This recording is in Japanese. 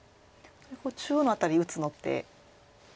中央の辺り打つのって